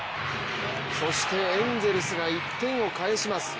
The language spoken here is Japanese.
そしてエンゼルスが１点を返します。